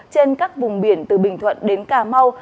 trên các vùng biển từ bình thuận đến cà mau